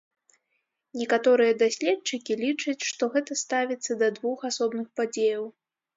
Некаторыя даследчыкі лічаць, што гэта ставіцца да двух асобных падзеяў.